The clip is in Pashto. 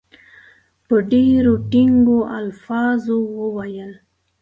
په ډېرو ټینګو الفاظو وویل.